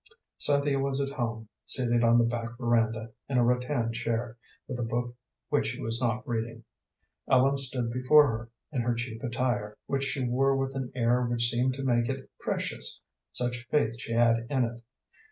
Cynthia was at home, seated on the back veranda, in a rattan chair, with a book which she was not reading. Ellen stood before her, in her cheap attire, which she wore with an air which seemed to make it precious, such faith she had in it.